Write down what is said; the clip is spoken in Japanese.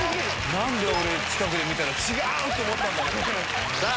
何で俺近くで見たら違うって思ったんだろ。